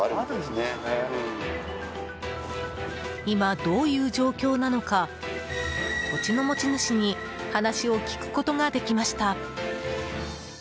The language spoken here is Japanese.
今どういう状況なのか土地の持ち主に話を聞くことができました。